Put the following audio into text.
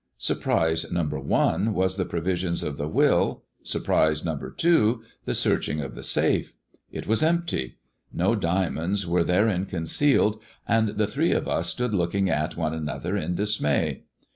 Surprise number one was the provisions of the will, surprise number two, the searching of the safe. It was empty : no diamonds were therein concealed, and the thre^ of us stood looking at one another in dismay.